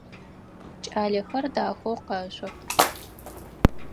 Кӏалэхэр дахэу къэшъох.